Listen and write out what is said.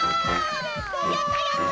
やったやった！